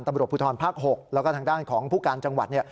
ตำรวจภูทรภาค๖แล้วก็ทางด้านของผู้การจังหวัด